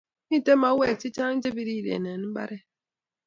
Miten mauek chechang chepiriren eng mbaret